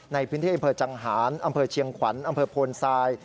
ในพื้นที่อำเภอจังหารอำเภอเชียงขวัญอำเภอโพนทราย